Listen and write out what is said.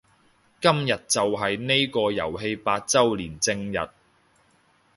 今日就係呢個遊戲八周年正日